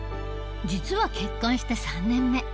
実は結婚して３年目。